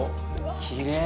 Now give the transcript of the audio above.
きれい。